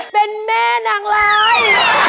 เป็นแม่นางลาย